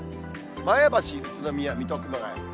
前橋、宇都宮、水戸、熊谷。